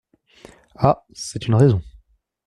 Ah ! c’est une raison…